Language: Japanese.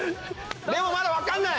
でもまだわかんない！